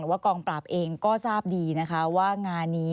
ว่ากองปราบเองก็ทราบดีนะคะว่างานนี้